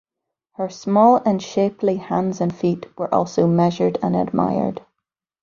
Her "small and shapely" hands and feet were also measured and admired.